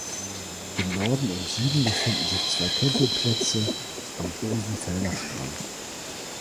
Im Norden und Süden befinden sich zwei Campingplätze am Rosenfelder Strand.